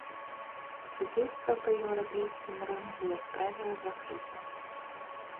Судзейства па еўрапейскім рынгу, як правіла, закрытая.